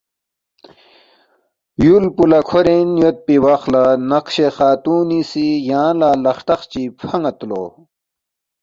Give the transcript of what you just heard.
یُول پو لہ کھورین یودپی وخ لہ نقشِ خاتونی سی یانگ لہ لق ہرتخ چی فان٘ید لو